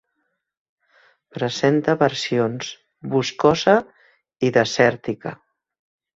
Presenta versions boscosa i desèrtica.